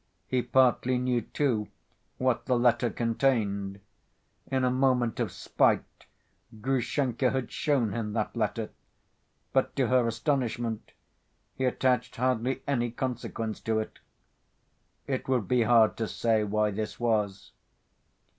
He partly knew, too, what the letter contained. In a moment of spite Grushenka had shown him that letter, but to her astonishment he attached hardly any consequence to it. It would be hard to say why this was.